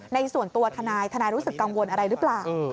ในส่วนตัวทนายทนายรู้สึกกังวลอะไรหรือเปล่า